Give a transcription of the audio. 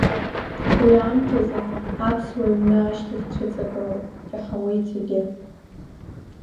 Уи аамҭазын аԥсуа аҩны ашьҭахь дцәыҵагылоуп, иаҳауеит зегьы.